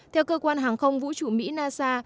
theo cơ quan hàng không vũ trụ mỹ nasa